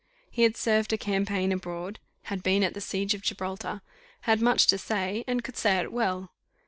He had served a campaign abroad, had been at the siege of Gibraltar, had much to say, and could say it well.